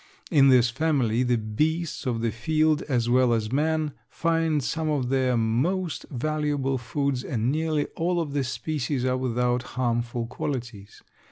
In this family the beasts of the field, as well as man, find some of their most valuable foods and nearly all of the species are without harmful qualities.